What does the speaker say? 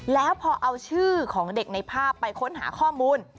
แล้วพอเอาชื่อของเด็กในภาพไปค้นหาข้อมูล